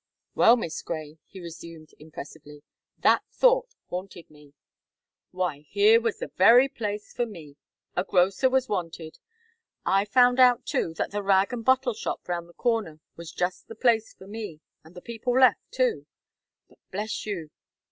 "Well, Miss Gray," he resumed impressively, "that thought haunted me. Why here was the very place for me! A grocer was wanted. I found out, too, that the rag and bottle shop round the corner was just the place for me, and the people left, too; but bless you.